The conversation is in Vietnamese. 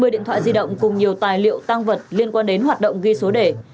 một mươi điện thoại di động cùng nhiều tài liệu tăng vật liên quan đến hoạt động ghi số đề